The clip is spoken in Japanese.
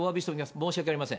申し訳ありません。